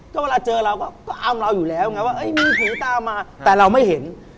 ก็เวลาเจอเราก็อ้ำเราอยู่แล้วไงว่ามีผีตามมาแต่เราไม่เห็น